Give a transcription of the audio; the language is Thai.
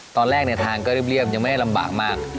ตอนแรกในทางก็เรียบยังไม่ได้ลำบากมาก